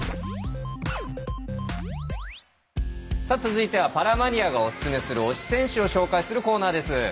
さあ続いてはパラマニアがおすすめする「推し選手」を紹介するコーナーです。